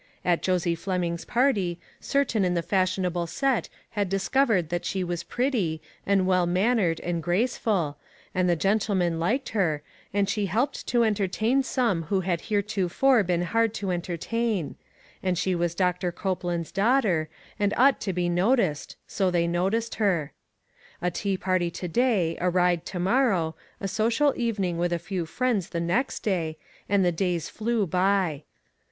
At Josie Fleming's party, certain in the fashionable set had discovered that she was pretty, and well mannered and graceful, and the gentlemen liked her, and she helped to entertain some who had hereto fore been hard to entertain ; and she was Doctor Copeland's daughter, and ought to be noticed, so they noticed her. A tea party to day, a ride to morrow, a social evening with a few friends the next day, and the days flew by.